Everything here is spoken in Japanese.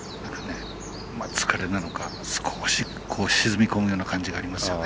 疲れなのか少し沈み込むような感じがありますよね。